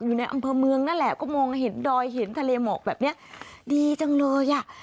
อยู่ในอำเภอเมืองนั่นแหละก็มองเห็นดอยเห็นทะเลหมอกแบบเนี้ยดีจังเลยอ่ะ